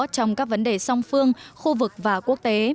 trong các vấn đề song phương khu vực và quốc tế